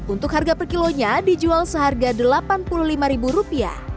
untuk harga per kilonya dijual seharga rp delapan puluh lima